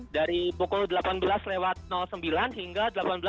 dari pukul delapan belas sembilan hingga delapan belas dua puluh tujuh